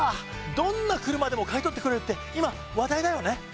どんな車でも買い取ってくれるって今話題だよね。